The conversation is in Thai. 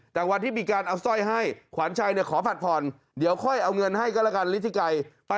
แต่วันที่มีการเอาสร้อยให้ขวานชัยขอผัดผ่อนเดี๋ยวค่อยเอาเงินให้ก็แล้วกันฤทธิไกร